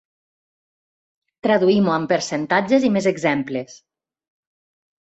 Traduïm-ho amb percentatges i més exemples.